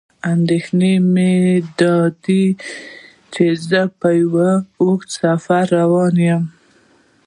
اندېښنه مې داده چې زه په یو اوږد سفر روان یم.